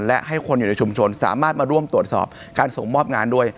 และให้คนอยู่ในชุมชนสามารถมาร่วมตรวจสอบการส่งมอบงานด้วย